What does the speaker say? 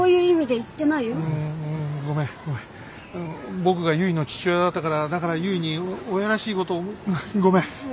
僕がゆいの父親だったからだからゆいに親らしいことをごめん。